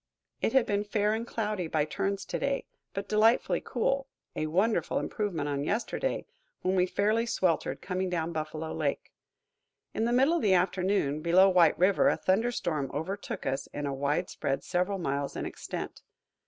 It had been fair and cloudy by turns to day, but delightfully cool, a wonderful improvement on yesterday, when we fairly sweltered, coming down Buffalo Lake. In the middle of the afternoon, below White River, a thunder storm overtook us in a widespread several miles in extent.